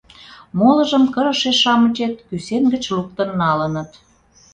Молыжым кырыше-шамычет кӱсен гыч луктын налыныт.